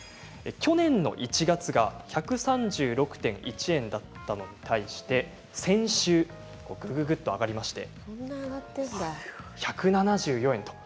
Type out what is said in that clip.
去年の１月が１３６．１円だったのに対して先週ぐぐぐっと上がりまして１７４円。